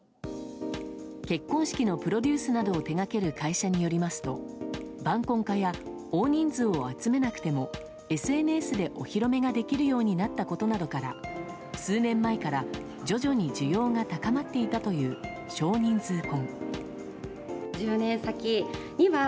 結婚式のプロデュースなどを手掛ける会社によりますと晩婚化や大人数を集めなくてもＳＮＳでお披露目ができるようになったことなどから数年前から徐々に需要が高まっていたという少人数婚。